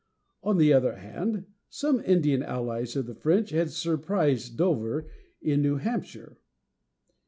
On the other hand, some Indian allies of the French had surprised Dover, in New Hampshire.